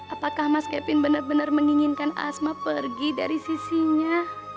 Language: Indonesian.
apakah mas kevin benar benar menginginkan asma pergi dari sisinya